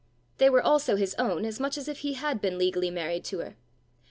They were also his own as much as if he had been legally married to her!